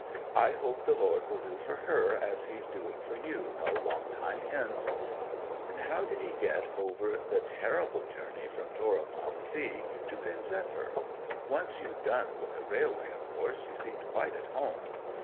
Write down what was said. I hope the Lord will do for her as he's doing for you no long time hence. And how did 'ee get over the terrible journey from Tor upon Sea to Pen zephyr? Once you'd done with the railway, of course, you seemed quite at home.